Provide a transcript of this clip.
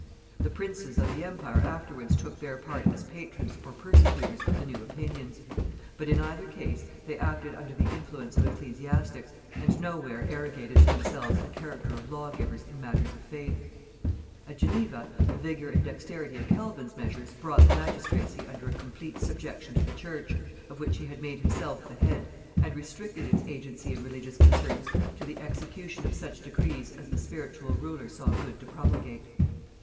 The princes of the empire afterwards took their part as patrons or persecutors of the new opinions; but in either case they acted under the influence of ecclesiastics, and no where arrogated to themselves the character of lawgivers in matters of faith. At Geneva, the vigor and dexterity of Calvin's measures brought the magistracy under a complete subjection to the church, of which he had made himself the head, and restricted its agency in religious concerns to the execution of such decrees as the spiritual ruler saw good to promulgate.